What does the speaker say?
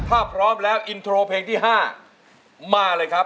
ถ้าพร้อมแล้วอินโทรเพลงที่๕มาเลยครับ